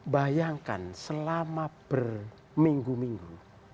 bayangkan selama berminggu minggu